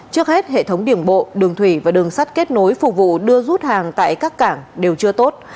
trước hết hệ thống đường bộ đường thủy và đường sắt kết nối phục vụ đưa rút hàng tại các cảng đều chưa tốt